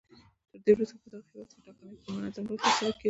تر دې وروسته په دغه هېواد کې ټاکنې په منظم ډول ترسره کېدې.